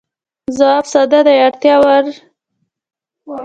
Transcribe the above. ځواب ساده دی، اړتیا وړ نوعې محدودې وې.